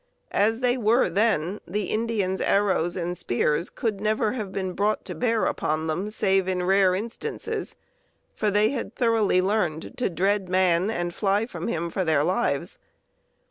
As they were then, the Indians' arrows and spears could never have been brought to bear upon them, save in rare instances, for they had thoroughly learned to dread man and fly from him for their lives.